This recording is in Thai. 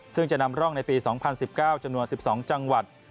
ซึ่งจะนำร่องในปี๒๐๑๙จำนวน๑๒จังหวัด